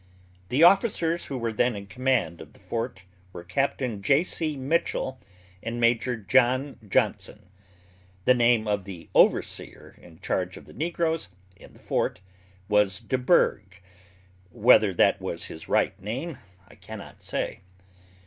The officers who were then in command of the fort were Capt. J.C. Mitchell and Major John Johnson. The name of the overseer in charge of the negroes in the fort was Deburgh, whether that was his right name I can not say.